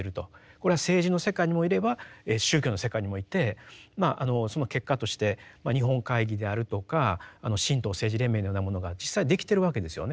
これは政治の世界にもいれば宗教の世界にもいてその結果として日本会議であるとか神道政治連盟のようなものが実際できてるわけですよね。